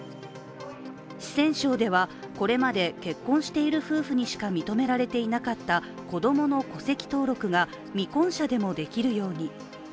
四川省では、これまで結婚している夫婦にしか認められていなかった子供の戸籍登録が未婚者でもできるように。